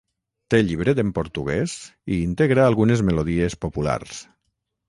Té llibret en portuguès i integra algunes melodies populars.